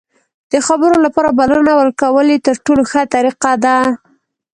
د خبرو لپاره بلنه ورکول یې تر ټولو ښه طریقه ده.